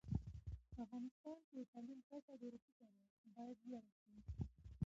په افغانستان کي د تعلیم کچه ډيره ټیټه ده، بايد لوړه شي